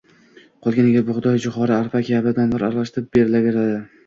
Qolganiga bug‘doy, jo‘xori, arpa kabi donlar aralashtirib berilaveradi.